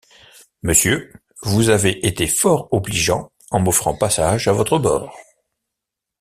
Monsieur, vous avez été fort obligeant en m’offrant passage à votre bord.